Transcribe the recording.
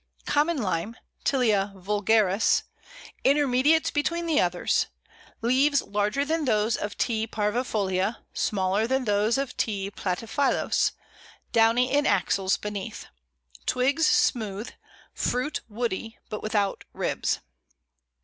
COMMON LIME (Tilia vulgaris). Intermediate between the others. Leaves larger than those of T. parvifolia, smaller than those of T. platyphyllos; downy in axils beneath. Twigs smooth. Fruit woody, but without ribs.